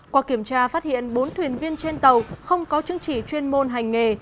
qua kiểm tra phát hiện bốn thuyền viên trên tàu không có chứng chỉ chuyên môn hành nghề